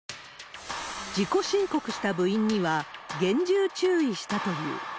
自己申告した部員には厳重注意したという。